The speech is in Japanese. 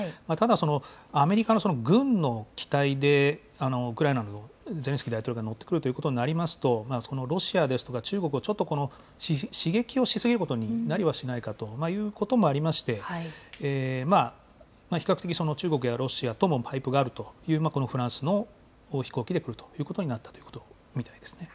ただアメリカの軍の機体でウクライナのゼレンスキー大統領が乗ってくるということになりますと、ロシアですとか中国を、ちょっと刺激をし過ぎることになりはしないかということもありまして、比較的中国やロシアともパイプがあるというこのフランスの飛行機で来るということになったということみたいですね。